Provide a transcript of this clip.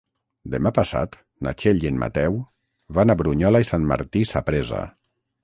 Demà passat na Txell i en Mateu van a Brunyola i Sant Martí Sapresa.